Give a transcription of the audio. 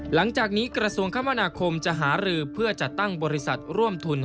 หลังจากนี้กระทรวงคมนาคมจะหารือเพื่อจัดตั้งบริษัทร่วมทุน